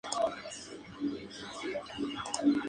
Su imagen es conocida por haber aparecido en libros de texto.